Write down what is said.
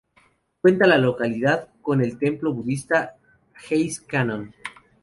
Cuenta la localidad con el templo budista Hase Kannon.